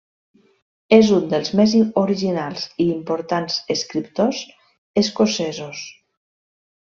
És un dels més originals i importants escriptors escocesos.